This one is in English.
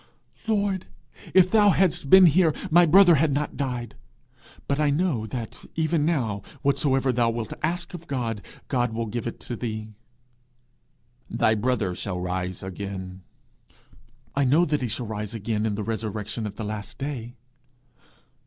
'Lord, if thou hadst been here, my brother had not died. But I know, that even now, whatsoever thou wilt ask of God, God will give it thee.' 'Thy brother shall rise again.' 'I know that he shall rise again in the resurrection at the last day.'